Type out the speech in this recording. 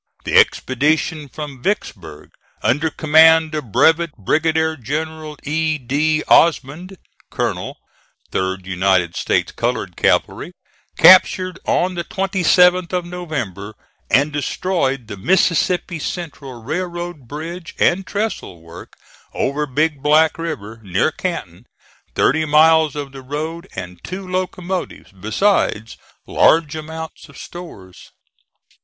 The expedition from Vicksburg, under command of Brevet Brigadier General E. D. Osband (colonel 3d United States colored cavalry), captured, on the 27th of November, and destroyed the Mississippi Central Railroad bridge and trestle work over Big Black River, near Canton, thirty miles of the road, and two locomotives, besides large amounts of stores.